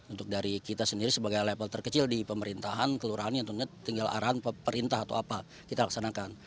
untuk dari kita sendiri sebagai level terkecil di pemerintahan kelurahan yang tentunya tinggal arahan perintah atau apa kita laksanakan